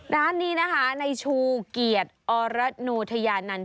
ร้านนี้ในชูเกียรติอโนทยานันต์